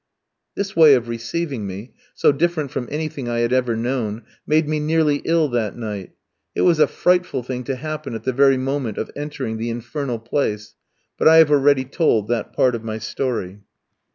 This way of receiving me, so different from anything I had ever known, made me nearly ill that night. It was a frightful thing to happen at the very moment of entering the infernal place. But I have already told that part of my story.